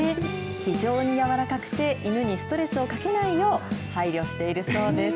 非常に柔らかくて、犬にストレスをかけないよう配慮しているそうです。